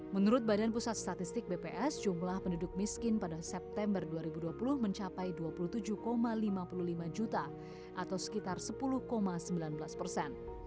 menurut badan pusat statistik bps jumlah penduduk miskin pada september dua ribu dua puluh mencapai dua puluh tujuh lima puluh lima juta atau sekitar sepuluh sembilan belas persen